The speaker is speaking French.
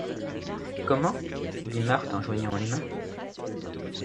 Comment? dit Marthe en joignant les mains.